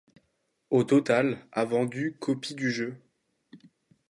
Au total, a vendu copies du jeu.